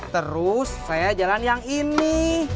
terus saya jalan yang ini